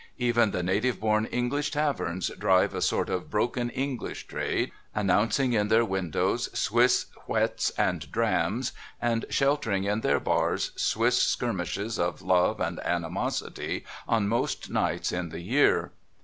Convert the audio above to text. Even the native born English taverns drive a sort of broken English trade ; announcing in their windows Swiss whets and drams, and sheltering in their bars Swiss skirmishes of love and animosity on most nights in the year.